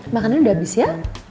makanan udah habis ya